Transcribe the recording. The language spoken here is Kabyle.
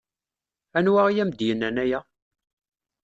Anwa i am-d-yennan aya?